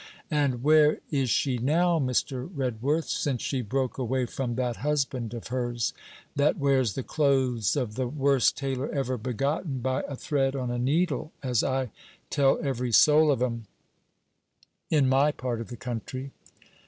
And where is she now, Mr. Redworth, since she broke away from that husband of hers, that wears the clothes of the worst tailor ever begotten by a thread on a needle, as I tell every soul of 'em in my part of the country?'